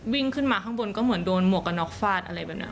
วิ่งขึ้นมาข้างบนก็เหมือนโดนหมวกกระน็อกฟาดอะไรแบบนี้